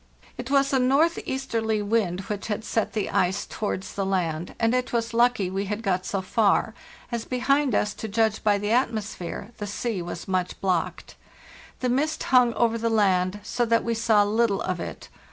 342 FARTHEST NORTH It was a northeasterly wind which had set the ice towards the land, and it was lucky we had got so far, as behind us, to judge by the atmosphere, the sea was much blocked. The mist hung over the land so that we saw little of it.